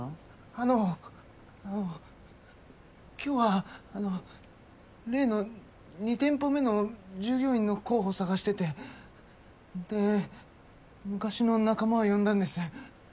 あのあの今日はあの例の２店舗目の従業員の候補を探しててで昔の仲間を呼んだんです。